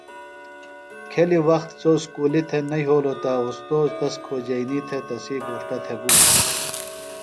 کھیلیۡ وخت سوۡ اُسکُلیۡ تھےۡ نہ یھولوۡ تہ استوذ تس کھوجئینی تھےۡ تسی گھوݜٹہ تھےۡ گُوم۔